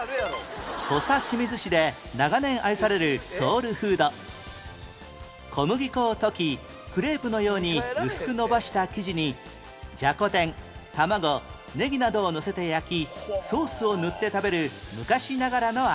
土佐清水市で小麦粉を溶きクレープのように薄くのばした生地にじゃこ天たまごネギなどをのせて焼きソースを塗って食べる昔ながらの味